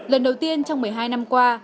lần đầu tiên trong một mươi hai năm qua